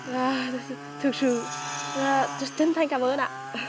và thực sự là chân thanh cảm ơn ạ